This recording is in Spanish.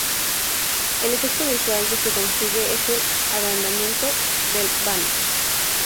El efecto visual que se consigue es el agrandamiento del vano.